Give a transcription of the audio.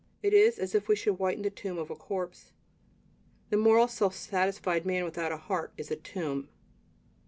It is as if we should whiten the tomb of a corpse. The moral, self satisfied man, without a heart, is a tomb.